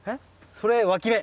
それわき芽。